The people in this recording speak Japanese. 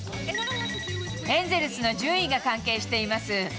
エンゼルスの順位が関係しています。